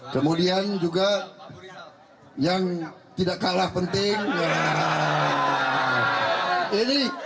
kemudian juga yang tidak kalah penting